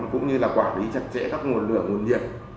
cũng như là quản lý chặt chẽ các nguồn lửa nguồn nhiệt